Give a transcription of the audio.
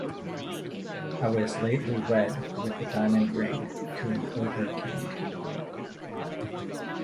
I was lately wed with a diamond ring to an ogre-king.